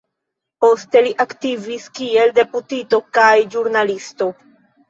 Poste li aktivis kiel deputito kaj ĵurnalisto.